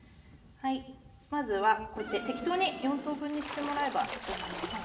まずはこうやって適当に４等分にしてもらえばいいと思います。